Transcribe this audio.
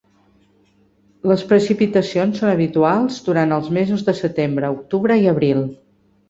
Les precipitacions són habituals durant els mesos de setembre, octubre i abril.